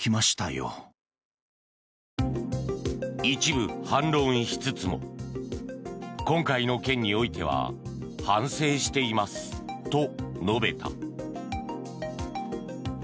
一部反論しつつも今回の件においては反省していますと述べた。